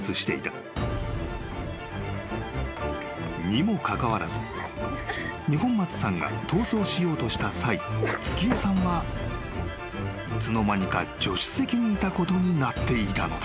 ［にもかかわらず二本松さんが逃走しようとした際月恵さんはいつの間にか助手席にいたことになっていたのだ］